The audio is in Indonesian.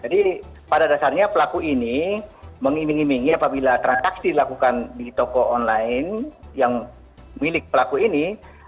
jadi pada dasarnya pelaku ini mengiming iming apabila transaksi dilakukan di toko online yang milik pelaku ini